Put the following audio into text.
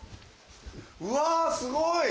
うわすごい！